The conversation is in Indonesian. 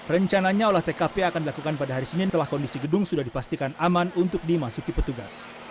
rencananya olah tkp akan dilakukan pada hari senin telah kondisi gedung sudah dipastikan aman untuk dimasuki petugas